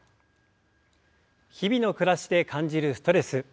日々の暮らしで感じるストレス。